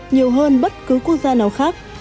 nhiều hơn bất cứ quốc gia nào khác